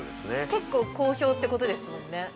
◆結構好評ということですもんね。